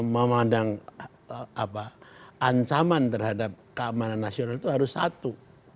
memandang ancaman terhadap keamanan nasional itu harus satu